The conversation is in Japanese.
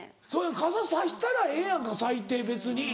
傘差したらええやんか最低別に。